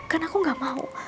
kan aku gak mau